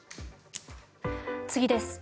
次です。